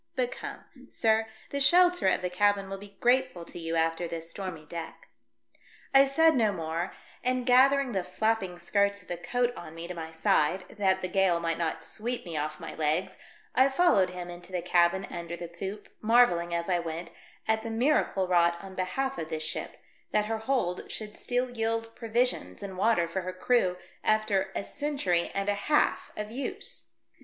But come, sir, the shelter of the cabin will be grateful to you after this stormy deck." I said no more, and gathering the flapping skirts of the coat on me to my side, that the gale might not sv/eep me off my legs, I followed him into the cabin under the poop, marvelling, as I went, at the miracle wrought on behalf of this ship, that her hold should still yield provisions and water for her crew after a century and a half of use.